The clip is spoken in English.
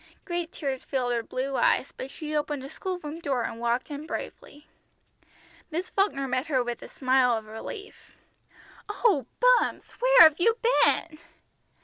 Great tears filled her blue eyes, but she opened the school room door and walked in bravely. Miss Falkner met her with a smile of relief. "Oh, Bumps, where have you been?"